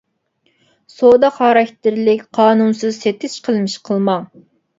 سودا خاراكتېرلىك قانۇنسىز سېتىش قىلمىشى قىلماڭ.